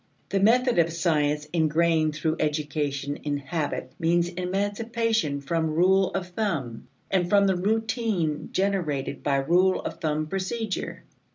The method of science engrained through education in habit means emancipation from rule of thumb and from the routine generated by rule of thumb procedure.